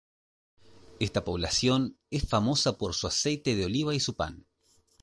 Esta población es famosa por su aceite de oliva y su pan.